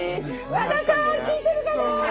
和田さん聞いてるかな？